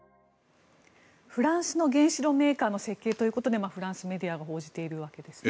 フランスの原子炉メーカーの設計ということでフランスメディアが報じているわけですね。